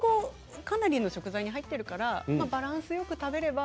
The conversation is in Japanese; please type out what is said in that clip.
だからいい具合にかなり食材に入っているからバランスよく食べれば。